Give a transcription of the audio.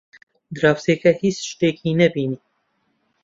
دراوسێکە هیچ شتێکی نەبینی.